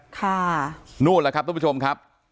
ค่ะนู่นแหละครับทุกผู้ชมครับ